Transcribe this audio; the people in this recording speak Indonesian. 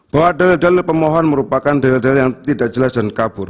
bahwa dalil dalil pemohon merupakan dalil dalil yang tidak jelas dan kabur